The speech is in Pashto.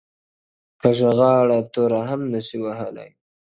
کږه غاړه توره هم نسي وهلاى.